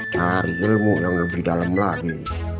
cari ilmu yang lebih dalam lagi